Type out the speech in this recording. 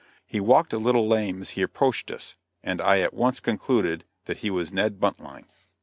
He walked a little lame as he approached us, and I at once concluded that he was Ned Buntline.